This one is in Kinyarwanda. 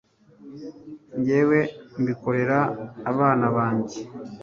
njywe mbikorera abana banjye